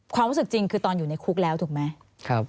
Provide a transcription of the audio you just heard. ความรู้สึกจริงคือตอนอยู่ในคุกแล้วถูกไหม